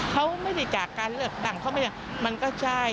เขาไม่ได้จากการเลือกตั้งเขาไม่ได้มันก็ใช่